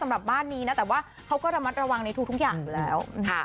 สำหรับบ้านนี้นะแต่ว่าเขาก็ระมัดระวังในทุกอย่างอยู่แล้ว